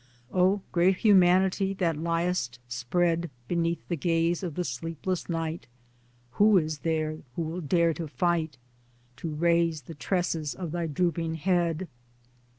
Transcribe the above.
O great Humanity, that liest spread Beneath the gaze of the sleepless night, Who is there who will dare to fight To raise the tresses of thy drooping head